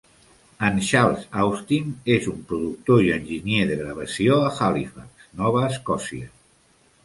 En Charles Austin és un productor i enginyer de gravació a Halifax, Nova Escòcia.